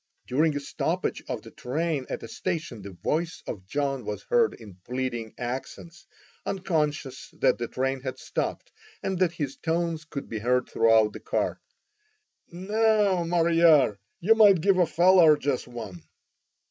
During a stoppage of the train at a station, the voice of John was heard in pleading accents, unconscious that the train had stopped, and that his tones could be heard throughout the car: "Now, Mariar, you might give a feller jes one."